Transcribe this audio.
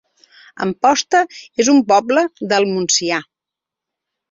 Amposta es un poble del Montsià